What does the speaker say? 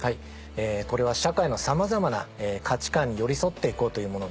これは社会のさまざまな価値観に寄り添って行こうというものです。